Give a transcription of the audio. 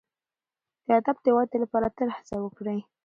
د ادب د ودي لپاره تل هڅه وکړئ.